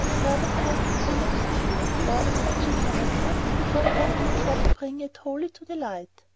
The other part is still obscure or of such a character that one does not care to bring it wholly to the light.